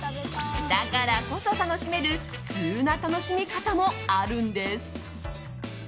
だからこそ楽しめるツウな楽しみ方もあるんです。